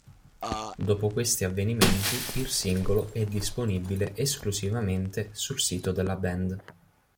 Dopo questi avvenimenti il singolo è disponibile esclusivamente sul sito della band.